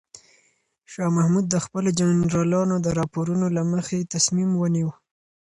شاه محمود د خپلو جنرالانو د راپورونو له مخې تصمیم ونیو.